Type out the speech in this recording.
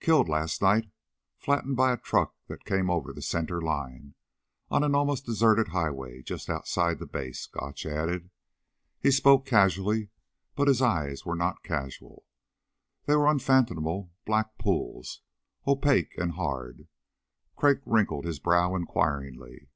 "Killed last night flattened by a truck that came over the center line. On an almost deserted highway just outside the base," Gotch added. He spoke casually but his eyes were not casual. They were unfathomable black pools. Opaque and hard. Crag wrinkled his brow inquiringly.